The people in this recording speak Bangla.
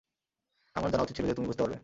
আমার জানা উচিত ছিল যে তুমি বুঝতে পারবে।